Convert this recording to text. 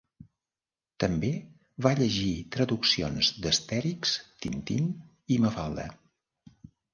També va llegir traduccions d'Astèrix, Tintín i Mafalda.